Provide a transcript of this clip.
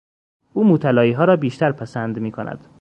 او موطلاییها را بیشتر پسند میکند.